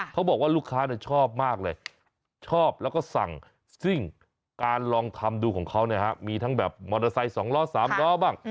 เขาบอกว่าลูกค้าชอบมากเลยชอบแล้วก็สั่งซิ่งการลองทำดูของเขาเนี่ยฮะมีทั้งแบบมอเตอร์ไซค์๒ล้อ๓ล้อบ้าง